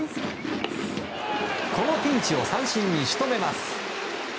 このピンチを三振に仕留めます。